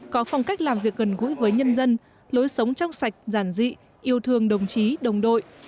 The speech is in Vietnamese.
có phong cách làm việc gần gũi với nhân dân lối sống trong sạch giản dị yêu thương đồng chí đồng đội